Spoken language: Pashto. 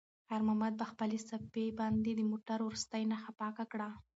خیر محمد په خپلې صافې باندې د موټر وروستۍ نښه پاکه کړه.